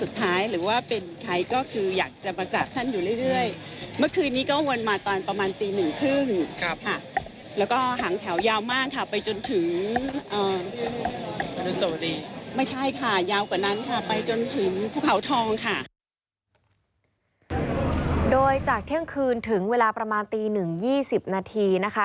โดยจากเที่ยงคืนถึงเวลาประมาณตีหนึ่ง๒๐นาทีนะคะ